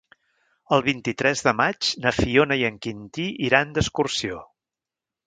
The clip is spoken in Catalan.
El vint-i-tres de maig na Fiona i en Quintí iran d'excursió.